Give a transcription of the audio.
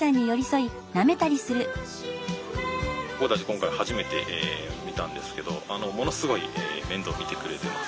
今回初めて見たんですけどものすごい面倒見てくれてます。